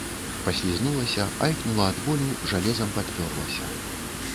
Паслізнулася, айкнула ад болю, жалезам падперлася.